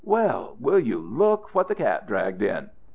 "Well, will you look what the cat dragged in!"